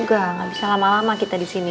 gak bisa lama lama kita disini